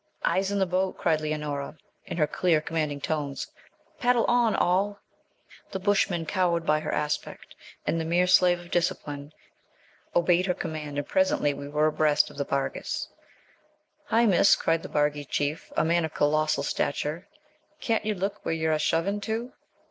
'Eyes in the boat,' cried Leonora, in her clear, commanding tones; 'paddle on all!' The Boshman, cowed by her aspect, and the mere slave of discipline (he had pulled in the St. Catherine's second torpid), obeyed her command, and presently we were abreast of the Barghîz. 'Hi, Miss,' cried the Barghî chief, a man of colossal stature, 'Can't yer look where yer a shovin' to?'